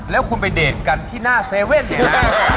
เราต้องเปิดก่อนที่หน้า๗๑๑เนี่ย